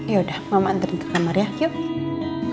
yaudah mama anterin ke kamar ya yuk